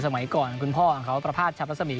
สมัยก่อนคุณพ่อของเขาประพาทชับรัศมี